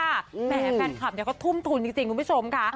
แหมแฟนคลับเขาทุ่มทุนจริงคุณผู้ชมค่ะ